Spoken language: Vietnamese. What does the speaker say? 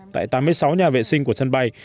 tại tám mươi sáu nhà vệ sinh của sân bay